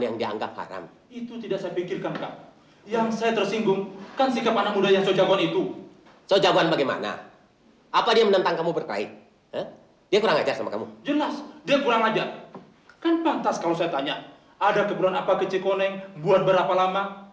ada keburuan apa ke cik koneng buat berapa lama